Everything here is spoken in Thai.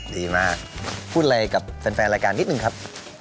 ดีมากพูดอะไรกับแฟนรายการนิดนึงครับ